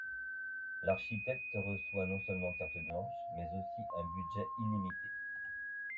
L'architecte reçoit non seulement carte blanche, mais aussi un budget illimité.